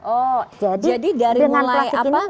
oh jadi dari mulai apa